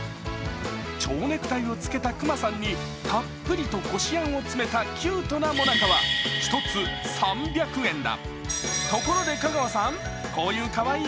蝶ネクタイをつけたくまさんにたっぷりとこしあんを入れたキュートなもなかは１つ、３００円だ。